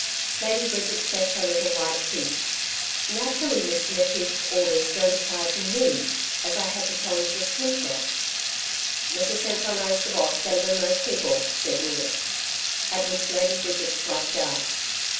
Lady Bridget set her little white teeth. 'Naturally, Mr McKeith's orders don't apply to ME as I had to tell Mrs Hensor.' 'Mrs Hensor knows the Boss better than most people,' said Ninnis, at which Lady Bridget flashed out.